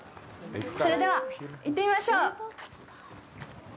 それでは行ってみましょう！